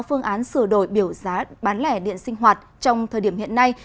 phương án sửa đổi biểu giá bán lẻ điện sinh hoạt trong thời điểm hiện nay